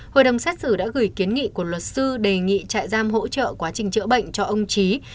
hội đồng xét xử đã gửi kiến nghị của luật sư đề nghị trại giam hỗ trợ quá trình chữa bệnh cho ông trí